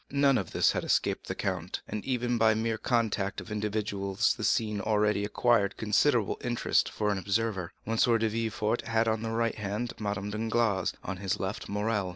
None of this had escaped the count, and even by this mere contact of individuals the scene had already acquired considerable interest for an observer. M. de Villefort had on the right hand Madame Danglars, on his left Morrel.